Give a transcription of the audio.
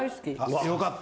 よかった。